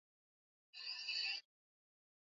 itwa le humanitan na hili la kikristo